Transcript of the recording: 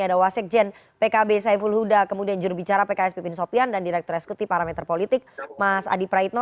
ada wasikjen pkb saiful huda kemudian jurubicara pks pipin sopian dan direktur eksekutif parameter politik mas adi praitno